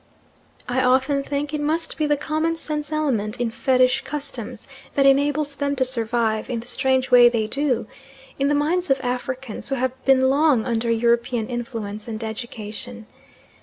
I often think it must be the common sense element in fetish customs that enables them to survive, in the strange way they do, in the minds of Africans who have been long under European influence and education.